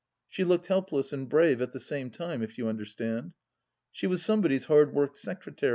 She looked helpless and brave at the same time, if you understand. She was somebody s bard wo?ked secreta^.